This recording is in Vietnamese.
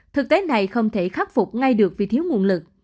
thực tế này không thể khắc phục ngay được vì thiếu nguồn lực